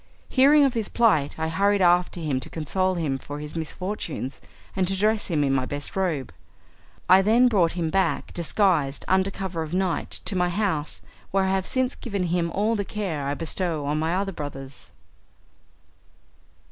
Hearing of his plight, I hurried after him to console him for his misfortunes, and to dress him in my best robe. I then brought him back disguised, under cover of night, to my house, where I have since given him all the care I bestow on my other brothers.